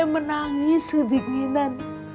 em menangis kedinginan